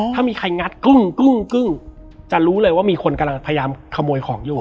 ถ้ามีใครงัดกึ้งจะรู้เลยว่ามีคนกำลังพยายามขโมยของอยู่